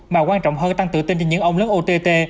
mà quan trọng hơn tăng tự tin cho những ông lớn ott